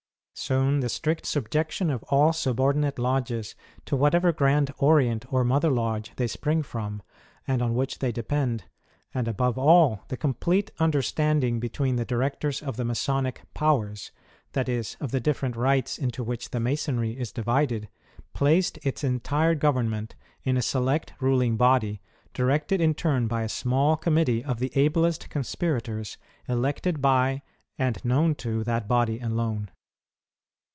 Soon the strict subjection of all subordinate lodges to whatever Grand Orient or Mother Lodge they spring from, and on which they depend ; and, above all, the complete under standing between the directors of the Masonic " powers," that is of the different rites into which the Masonry is divided, placed its entire government in a select ruling body, directed in turn by a small committee of the ablest conspirators, elected by and known to that body alone.